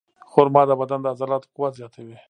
خرما د بدن د عضلاتو قوت زیاتوي.